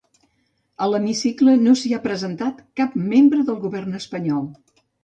A l’hemicicle no s’hi ha presentat cap membre del govern espanyol.